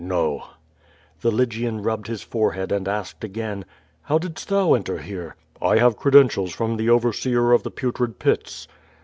'"No:' The Lygian rubbed his forehead and asked again: '^ow didst thou enter here?^^ "I have credentials from the overseer of the Putrid Pits."